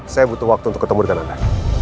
saya butuh waktu untuk ketemu dengan anda